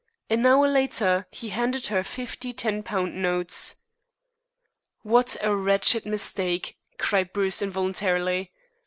An hour later he handed her fifty ten pound notes." "What a wretched mistake," cried Bruce involuntarily.